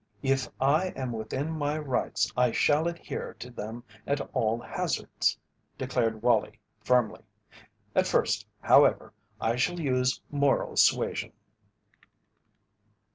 "If I am within my rights I shall adhere to them at all hazards," declared Wallie, firmly. "At first, however, I shall use moral suasion."